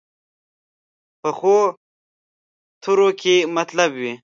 پخو تورو کې مطلب وي